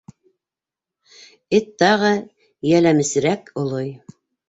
Эт тағы йәлләмесерәк олой.